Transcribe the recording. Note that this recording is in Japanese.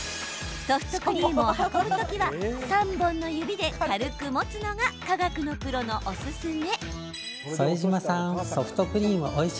ソフトクリームを運ぶ時は３本の指で軽く持つのが科学のプロのおすすめ。